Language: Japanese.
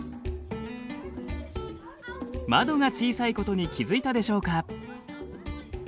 窓が小さいことに気付いたでしょうか。